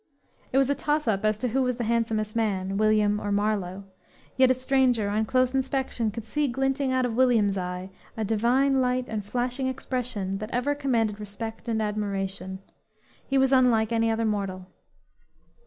It was a toss up as to who was the handsomest man, William or Marlowe, yet a stranger, on close inspection could see glinting out of William's eye a divine light and flashing expression that ever commanded respect and admiration. He was unlike any other mortal.